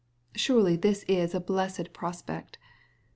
Surely this is a blessed prospect.